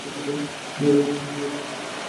বিয়ের জন্য তিনি বাংলাদেশে ফিরে আসেন।